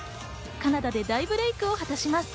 カナダで大ブレイクを果たします。